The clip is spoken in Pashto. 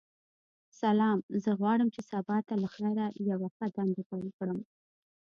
سلام ،زه غواړم چی سبا ته لخیر یوه ښه دنده پیل کړم.